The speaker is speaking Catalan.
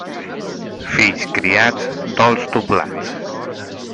Fills criats, dols doblats.